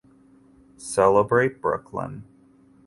Celebrate Brooklyn.